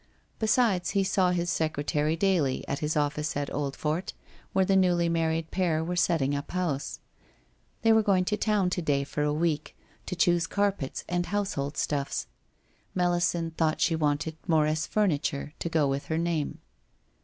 Besides, he saw his secretary daily at his office at Oldfort, where the newly married pair were setting up house. They were going to town to day for a week, to choose carpets and household stuffs. Melisande thought she wanted Morris furniture to go with her name.